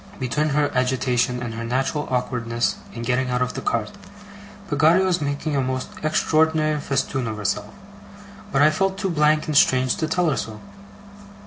Between her agitation, and her natural awkwardness in getting out of the cart, Peggotty was making a most extraordinary festoon of herself, but I felt too blank and strange to tell her so.